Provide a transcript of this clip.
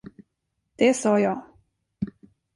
Det sa jag.